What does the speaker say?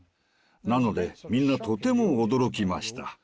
なのでみんなとても驚きました。